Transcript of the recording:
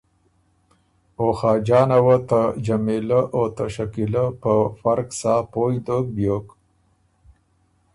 او خاجانه وه ته جمیلۀ اوته شکیلۀ په فرق سا پویٛ دوک بیوک